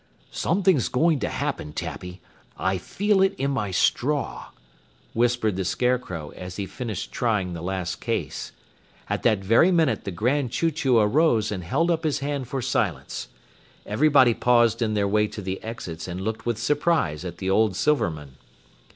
"Something's going to happen, Tappy. I feel it in my straw," whispered the Scarecrow as he finished trying the last case. At that very minute, the Grand Chew Chew arose and held up his hand for silence. Everybody paused in their way to the exits and looked with surprise at the old Silverman.